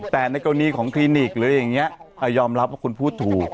แต่ในกรณีของคลินิกหรืออย่างนี้ยอมรับว่าคุณพูดถูก